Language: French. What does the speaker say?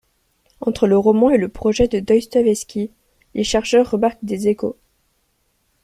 Entre le roman et le projet de Dostoïevski les chercheurs remarquent des échos.